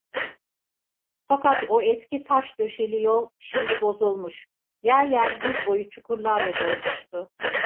Fakat o eski taş döşeli yol, şimdi bozulmuş, yer yer diz boyu çukurlarla dolmuştu.